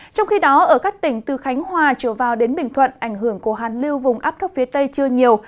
trong khi đó ở các tỉnh từ khánh hòa trở vào đến bình thuận ảnh hưởng của hàn lưu vùng áp thấp phía tây chưa nhiều